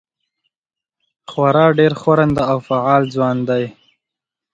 خورا ډېر ښورنده او فعال ځوان دی.